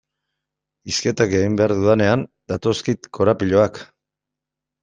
Hizketan egin behar dudanean datozkit korapiloak.